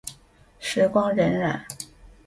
时光荏苒。